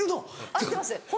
合ってます。